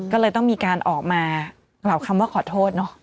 ก็เลยต้องมีการออกมากล่าวคำว่าขอโทษเนอะ